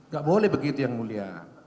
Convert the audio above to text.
gak boleh begitu yang mulia